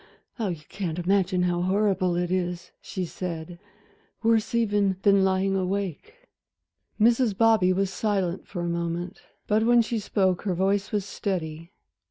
"Ah, you can't imagine how horrible it is," she said, "worse even than lying awake." Mrs. Bobby was silent for a moment, but when she spoke her voice was steady.